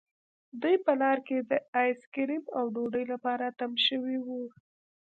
دوی په لاره کې د آیس کریم او ډوډۍ لپاره تم شوي وو